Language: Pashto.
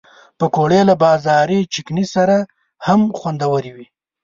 پکورې له بازاري چټني سره هم خوندورې وي